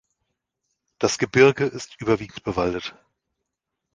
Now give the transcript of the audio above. Das Gebirge ist überwiegend bewaldet.